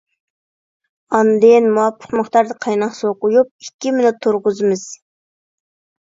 ئاندىن مۇۋاپىق مىقداردا قايناق سۇ قۇيۇپ، ئىككى مىنۇت تۇرغۇزىمىز.